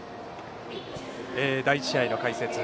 第１試合の解説